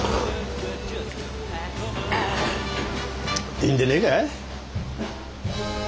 いいんでねえか？